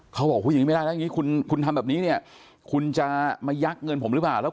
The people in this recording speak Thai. เขาบอกว่าหญิงไม่ได้แล้วคุณทำแบบนี้คุณจะมายักเงินผมหรือเปล่า